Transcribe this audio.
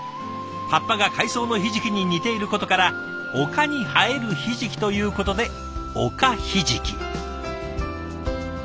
葉っぱが海藻のひじきに似ていることから「おかに生えるひじき」ということでおかひじき。